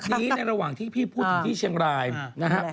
แต่ขณะนี้ในระหว่างที่พี่พูดถึงที่เชียงรายนะครับ